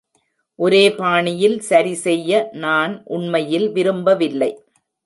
ஒரே பாணியில் சரி செய்ய நான் உண்மையில் விரும்பவில்லை.